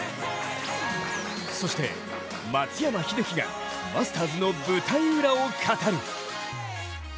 そして、松山英樹がマスターズの舞台裏を語る。